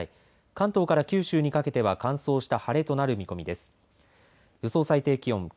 関東から九州にかけては乾燥した晴れとなる見込みです。